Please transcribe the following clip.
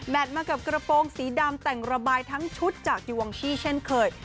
มากับกระโปรงสีดำแต่งระบายทั้งชุดจากดิวองชี่เช่นเคย